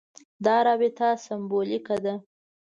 دا رابطه سېمبولیکه ده.